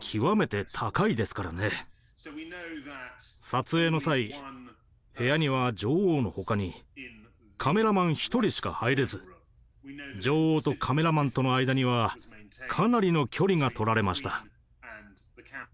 撮影の際部屋には女王のほかにカメラマン１人しか入れず女王とカメラマンとの間にはかなりの距離がとられました。